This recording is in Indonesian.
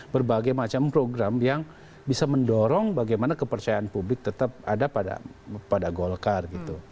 berbagai macam program yang bisa mendorong bagaimana kepercayaan publik tetap ada pada golkar gitu